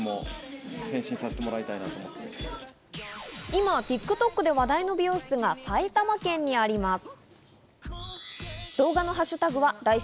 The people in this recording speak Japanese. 今ＴｉｋＴｏｋで話題の美容室が埼玉県にあります。